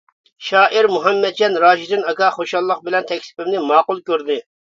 شائىر مۇھەممەتجان راشىدىن ئاكا خۇشاللىق بىلەن تەكلىپىمنى ماقۇل كۆردى.